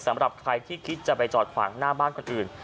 สำหรับใครที่คิดจะไปจอดขวางหน้าบ้านคนอื่น